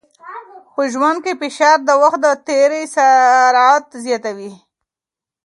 په ژوند کې فشار د وخت د تېري سرعت زیاتوي.